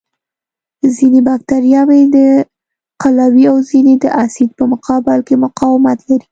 ځینې بکټریاوې د قلوي او ځینې د اسید په مقابل کې مقاومت لري.